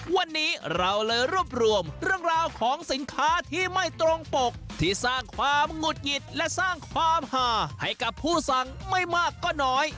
วันนี้เราเลยรวบรวมเรื่องราวของสินค้าที่ไม่ตรงปกที่สร้างความหงุดหงิดและสร้างความหาให้กับผู้สั่งไม่มากก็น้อย